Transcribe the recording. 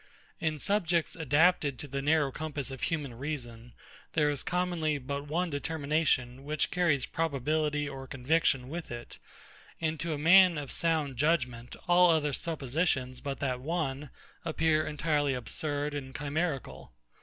In subjects adapted to the narrow compass of human reason, there is commonly but one determination, which carries probability or conviction with it; and to a man of sound judgement, all other suppositions, but that one, appear entirely absurd and chimerical.